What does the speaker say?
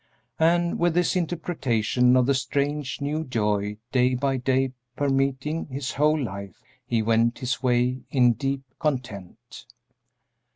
And with this interpretation of the strange, new joy day by day permeating his whole life, he went his way in deep content.